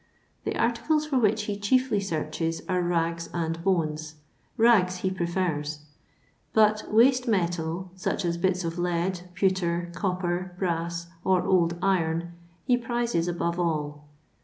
The articles for which he chiefly searches are rags and bones— rags he prefers — but waste metal, such as bits of lead, pewter, copper, brass, or old iron, he prizes above all.